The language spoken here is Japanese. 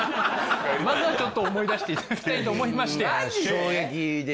まずはちょっと思い出していただきたいと思いましてマジで？